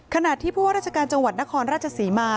ขณะที่พวกราชกาลจังหวัดนครราชสีมา